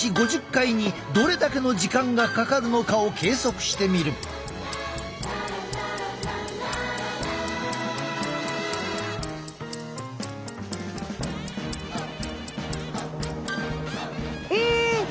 ５０回にどれだけの時間がかかるのかを計測してみる。え！